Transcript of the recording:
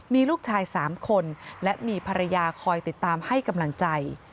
มีลูกชาย๓คนและมีภรรยาคอยติดตามให้กำลังใจ